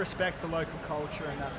respek kultur lokal dan hal hal seperti itu